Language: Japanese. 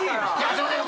すいません。